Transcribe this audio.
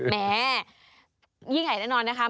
แม่ยิ่งใหญ่แน่นอนนะคะ